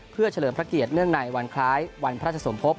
เพื่อเฉลิมพระเกียรติในวันคล้ายวันพระทรสมพบ